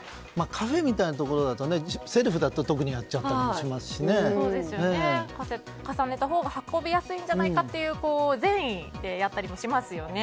カフェみたいなところだとセルフだと重ねたほうが運びやすいんじゃないかという善意でやったりもしますよね。